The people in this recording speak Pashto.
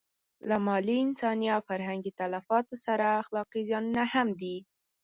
له مالي، انساني او فرهنګي تلفاتو سره اخلاقي زیانونه هم دي.